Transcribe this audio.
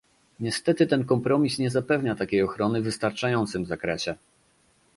Niestety ten kompromis nie zapewnia takiej ochrony w wystarczającym zakresie